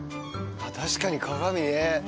確かに鏡ね。